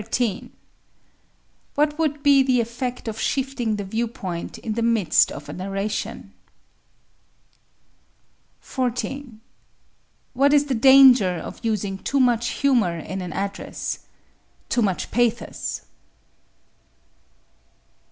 What would be the effect of shifting the viewpoint in the midst of a narration? 14. What is the danger of using too much humor in an address? Too much pathos?